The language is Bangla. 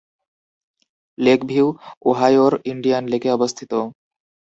লেকভিউ ওহাইওর ইন্ডিয়ান লেকে অবস্থিত।